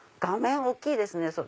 画面大きいですね！